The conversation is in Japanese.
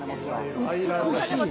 美しい。